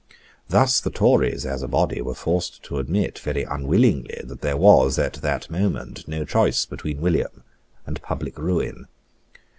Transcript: Thus the Tories, as a body, were forced to admit, very unwillingly, that there was, at that moment, no choice but between William and public ruin.